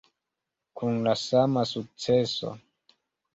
Kun la sama sukceso.